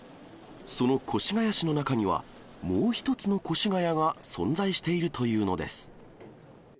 その越谷市の中には、もう一つの越谷が存在しているというのです。